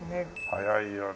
速いよね。